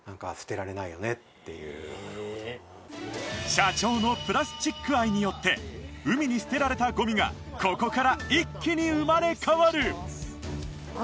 社長のプラスチック愛によって海に捨てられたゴミがここから一気に生まれ変わる！